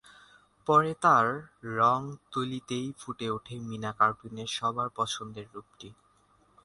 পরে, তার রং-তুলিতেই ফুটে ওঠে মীনা কার্টুনের সবার পছন্দের রূপটি।